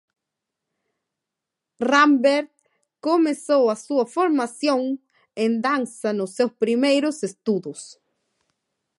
Rambert comezou a súa formación en danza nos seus primeiros estudos.